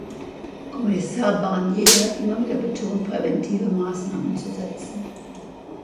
Kommissar Barnier hat immer wieder betont, präventive Maßnahmen zu setzen.